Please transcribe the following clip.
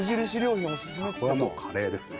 これはもうカレーですね。